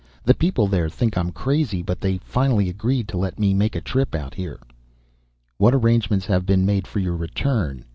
The people there think I'm crazy, but they finally agreed to let me make a trip out here." "What arrangements have been made for your return?"